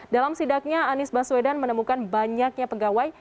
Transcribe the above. dalam sidaknya anies baswedan menemukan banyaknya pegawai